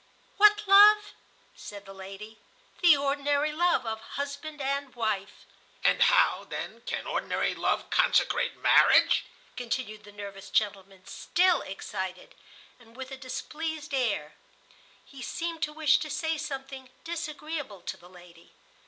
"What love?" said the lady. "The ordinary love of husband and wife." "And how, then, can ordinary love consecrate marriage?" continued the nervous gentleman, still excited, and with a displeased air. He seemed to wish to say something disagreeable to the lady.